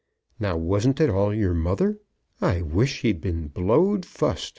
"Now wasn't it all your mother? I wish she'd been blowed fust!"